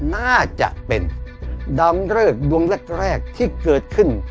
น่าจะเป็นดาวเริกดวงแรกที่เกิดขึ้น